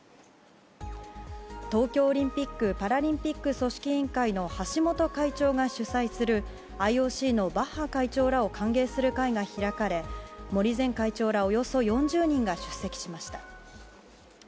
東京オリンピック・パラリンピック組織委員会の橋本会長が主催するＩＯＣのバッハ会長らを歓迎する会が開かれ森前会長ら、およそ４０人が出席しました。